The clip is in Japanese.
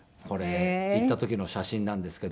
行った時の写真なんですけども。